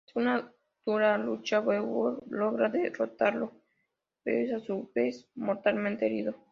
Tras una dura lucha, Beowulf logra derrotarlo, pero es a su vez mortalmente herido.